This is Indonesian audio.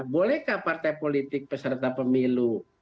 bolehkah partai politik peserta pemilu